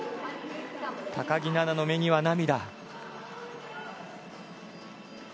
高木菜那の目には涙。